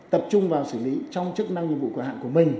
tập trung vào xử lý trong chức năng nhiệm vụ quyền hạn của mình